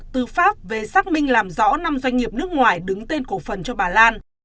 từ pháp về xác minh làm rõ năm doanh nghiệp nước ngoài đứng tên cổ phần cho bà lan